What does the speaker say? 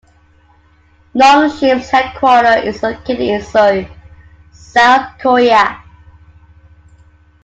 Nongshim's headquarter is located in Seoul, South Korea.